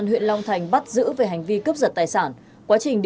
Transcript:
tỉnh đồng nai và hai mươi một vụ tại tp hcm